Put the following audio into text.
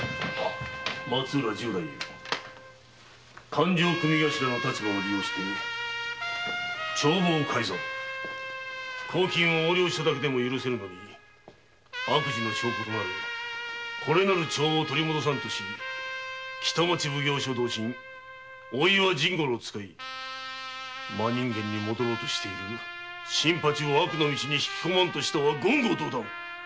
勘定組頭の立場を利用して帳簿を改ざんし公金を横領しただけでも許せぬのに悪事の証拠となるこれらの帳簿を取り戻さんと北町奉行所同心・大岩甚五郎を使い真人間に戻らんとする新八を悪の道に引き込まんとしたとは言語道断。